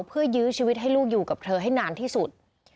เพื่อยื้อชีวิตให้ลูกอยู่กับเธอให้นานที่สุด